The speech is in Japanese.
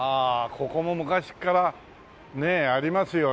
ここも昔からねありますよね。